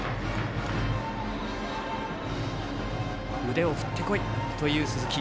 腕を振ってこいという鈴木。